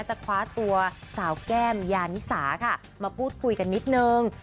เพื่อทั่วสาวแก้มยานิสามาพูดคุยกันนิดนึง